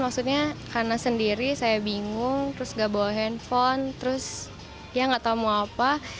maksudnya karena sendiri saya bingung terus gak bawa handphone terus ya nggak tahu mau apa